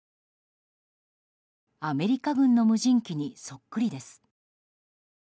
アメリカ軍の無人機にそっくりです。